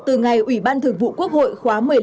từ ngày ủy ban thường vụ quốc hội khóa một mươi năm